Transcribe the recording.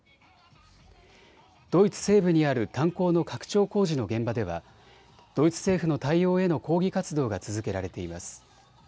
ドイツ西部にある炭鉱の拡張工事の現場ではドイツ政府の対応への抗議活動が続けられています。